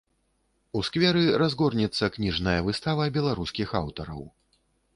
У скверы разгорнецца кніжная выстава беларускіх аўтараў.